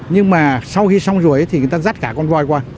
nhưng mà sau khi xong ruồi thì người ta dắt cả con voi qua